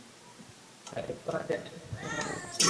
পারিবারিক কলহের জের ধরে তিনি আত্মহত্যা করেছেন বলে পুলিশ মনে করছে।